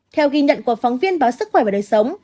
theo ghi nhận của phóng viên báo sức khỏe và đời sống